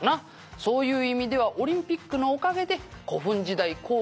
「そういう意味ではオリンピックのおかげで」